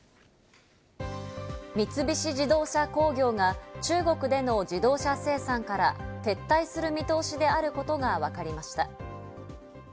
三菱自動車工業が中国での自動車生産から撤退する見通しであることがわかりました。